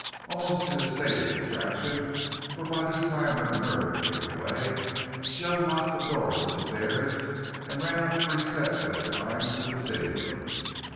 Almost in a state of distraction, for by this time her nerve had given way, she unlocked the door to the stairs and ran up three steps at a time to the sitting room.